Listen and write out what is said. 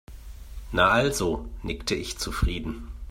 Na also, nickte ich zufrieden.